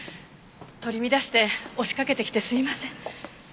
取り乱して押しかけて来てすいません。